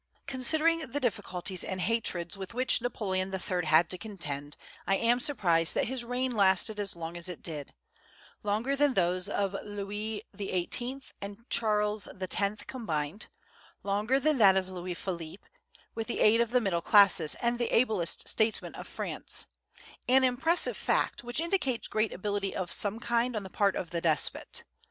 Considering the difficulties and hatreds with which Napoleon III. had to contend, I am surprised that his reign lasted as long as it did, longer than those of Louis XVIII. and Charles X. combined; longer than that of Louis Philippe, with the aid of the middle classes and the ablest statesmen of France, an impressive fact, which indicates great ability of some kind on the part of the despot.